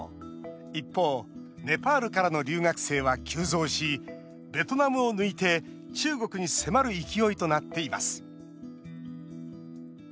一方、ネパールからの留学生は急増しベトナムを抜いて中国に迫る勢いとなっています。